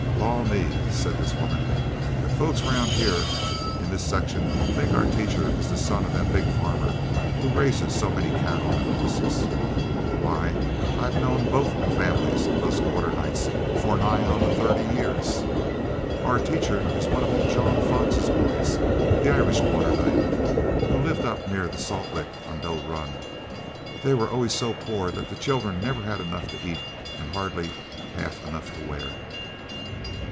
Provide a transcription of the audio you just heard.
'Law me,' said this woman, 'folks round here in this section think our teacher is the son of that big farmer who raises so many cattle and horses. Why, I've known both families of those Quarternights for nigh on to thirty year. Our teacher is one of old John Fox's boys, the Irish Quarternights, who live up near the salt licks on Doe Run. They were always so poor that the children never had enough to eat and hardly half enough to wear.'